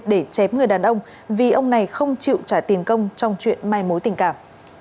để chém người đàn ông vì ông này không chịu trả tiền công trong chuyện mai mối tình cảm